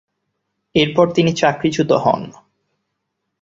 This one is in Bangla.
এরপর তিনি চাকরিচ্যুত হন।